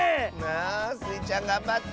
あスイちゃんがんばって！